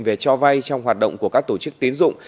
về cho vay trong hoạt động của các tổ chức tiến dụng